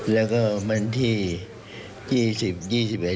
แล้วก็วันที่๒๐๒๑